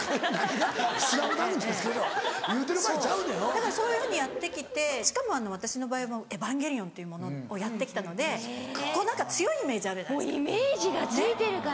だからそういうふうにやって来てしかも私の場合『エヴァンゲリオン』っていうものをやって来たので強いイメージあるじゃないですか。